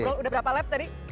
udah berapa lap tadi